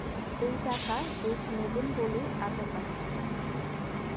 এই টাকা দেশ নেবেন বলেই আটক আছে।